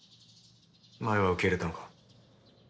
舞は受け入れたのか？